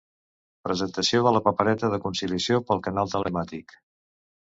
Presentació de la papereta de conciliació pel canal telemàtic.